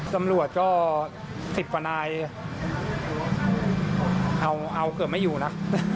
ตำรวจก็๑๐กว่านายเอาเกือบไม่อยู่นะ